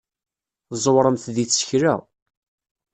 Tẓewremt deg tsekla.